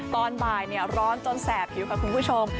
ตอนบ่ายร้อนจนแสบผิวค่ะคุณผู้ชม